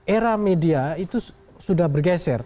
era media itu sudah bergeser